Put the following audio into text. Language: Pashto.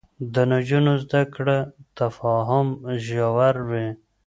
د نجونو زده کړه تفاهم ژوروي.